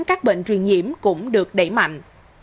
các bệnh truyền nhiễm cũng được đẩy mạnh